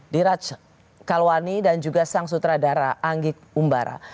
diraj kalwani dan juga sang sutradara anggik umbara